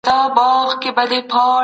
ایا ستا په کمپیوټر کي انټي ویروس سته؟